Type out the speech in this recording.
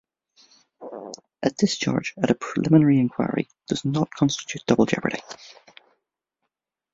A discharge at a preliminary inquiry does not constitute double jeopardy.